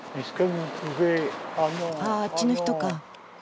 あああっちの人か。